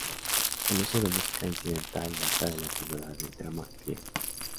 El uso de música incidental data de la antigüedad del drama griego.